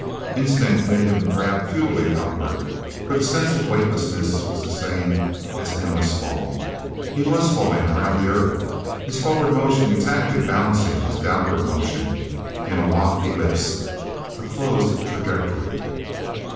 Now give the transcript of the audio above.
Instinct made him grab futilely outward, for the sense of weightlessness was the same as endless fall. He was falling, around the Earth, his forward motion exactly balancing his downward motion, in a locked ellipse, a closed trajectory.